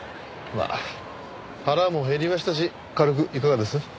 まあ腹も減りましたし軽くいかがです？